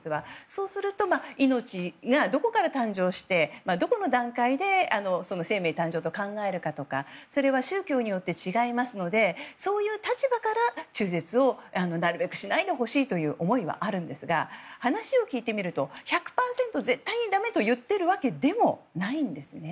そうすると命がどこから誕生してどこの段階で生命誕生と考えるかとかそれは宗教によって違いますのでそういう立場から中絶をなるべくしないでほしいという思いはあるんですが話を聞いてみると１００％絶対にだめと言っているわけでもないんですね。